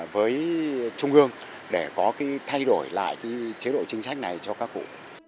với trung ương để có cái thay đổi lại cái chế độ chính sách này cho các cụ